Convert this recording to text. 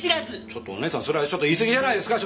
ちょっとお義姉さんそれは言いすぎじゃないですか？